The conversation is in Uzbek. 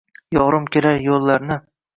Yorim kelar yoʼllarni